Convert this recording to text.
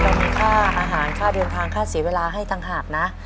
ค่าอาหารค่าเดินทางค่าเสียเวลาให้ต่างหากนะ